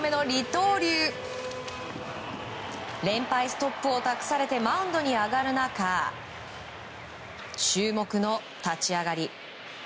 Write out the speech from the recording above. ストップを託されてマウンドに上がる中注目の立ち上がり。